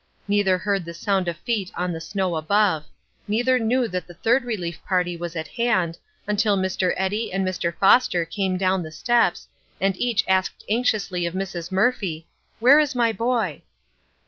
Neither heard the sound of feet on the snow above; neither knew that the Third Relief Party was at hand, until Mr. Eddy and Mr. Foster came down the steps, and each asked anxiously of Mrs. Murphy, "Where is my boy?"